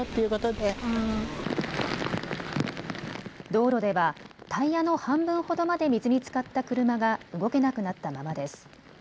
道路ではタイヤの半分ほどまで水につかった車が動けなくなったままです。